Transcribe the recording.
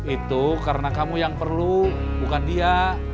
itu karena kamu yang perlu bukan dia